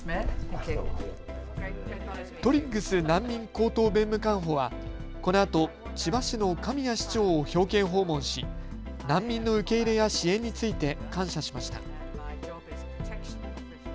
トリッグス難民高等弁務官補はこのあと千葉市の神谷市長を表敬訪問し難民の受け入れや支援について感謝しました。